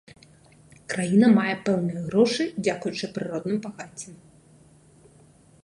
Краіна мае пэўныя грошы дзякуючы прыродным багаццям.